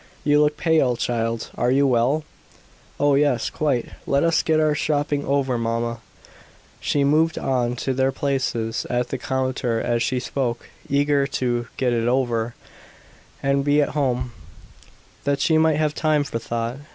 "You look pale, child. Are you well?" "Oh, yes, quite. Let us get our shopping over, mamma." She moved on to their places at the counter as she spoke, eager to "get it over" and be at home, that she might have time for thought.